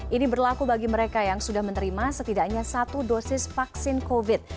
ini berlaku bagi mereka yang sudah menerima setidaknya satu dosis vaksin covid